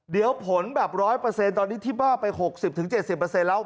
เดี๋ยวผลแบบ๑๐๐ตอนนี้ที่บ้าไป๖๐๗๐แล้ว